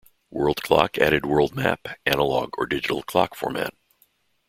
World clock added world map, Analog or Digital clock format.